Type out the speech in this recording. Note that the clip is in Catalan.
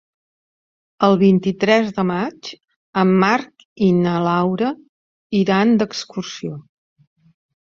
El vint-i-tres de maig en Marc i na Laura iran d'excursió.